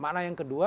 makna yang kedua